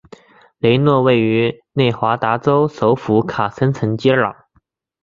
雷诺位于内华达州首府卡森城接壤。